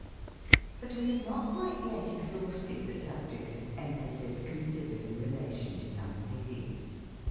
But we have not quite yet exhausted the subject ot emphasis, considered in relation to young ladies.